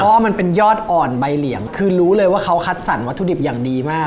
เพราะว่ามันเป็นยอดอ่อนใบเหลี่ยงคือรู้เลยว่าเขาคัดสรรวัตถุดิบอย่างดีมาก